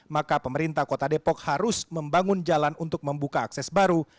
maka pemerintah kota depok harus membangun jalan untuk membuka akses baru